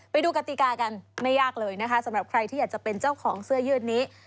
ไปดูกติกากันไม่ยากเลยนะคะสำหรับใครที่อยากจะเป็นเจ้าของเสื้อยืดนี้